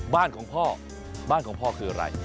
บ้านของพ่อบ้านของพ่อคืออะไร